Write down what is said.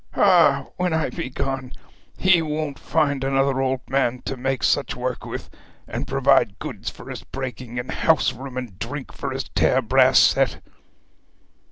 Ah! when I be gone he won't find another old man to make such work with, and provide goods for his breaking, and house room and drink for his tear brass set!'